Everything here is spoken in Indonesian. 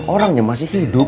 orangnya masih hidup